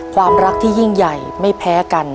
ความรักที่ยิ่งใหญ่ไม่แพ้กัน